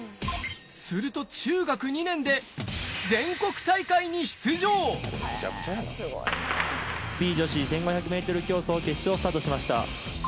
すると中学２年で女子１５００ｍ競走決勝スタートしました。